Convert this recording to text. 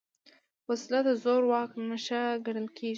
وسله د زور واک نښه ګڼل کېږي